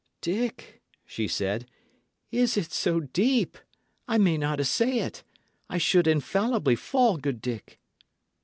"Dick," she said, "is it so deep? I may not essay it. I should infallibly fall, good Dick."